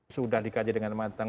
sudah dikaji dengan matang